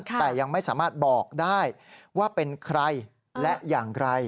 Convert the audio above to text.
แต่ยังไม่สามารถบอกได้ว่าเป็นใครและอย่างไร